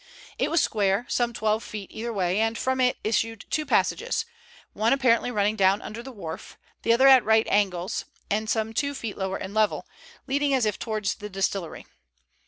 It was square, some twelve feet either way, and from it issued two passages, one apparently running down under the wharf, the other at right angles and some two feet lower in level, leading as if towards the distillery.